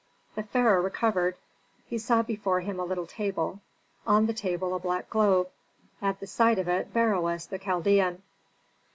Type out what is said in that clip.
The pharaoh recovered. He saw before him a little table, on the table a black globe, at the side of it Beroes the Chaldean.